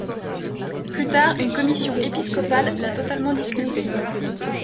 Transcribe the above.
Plus tard, une commission épiscopale l'a totalement disculpée.